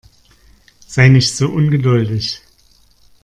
Sei nicht so ungeduldig.